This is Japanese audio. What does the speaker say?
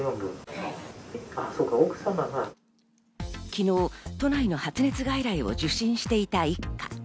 昨日、都内の発熱外来を受診していた一家。